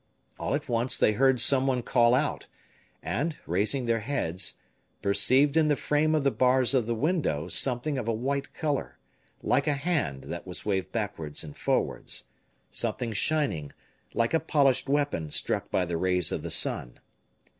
All at once they heard some one call out, and raising their heads, perceived in the frame of the bars of the window something of a white color, like a hand that was waved backwards and forwards something shining, like a polished weapon struck by the rays of the sun.